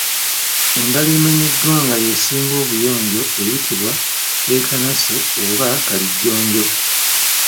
Engalo emanyiddwa nga y’esinga obuyonjo eyitibwa Keekanase oba Kalijjonjo.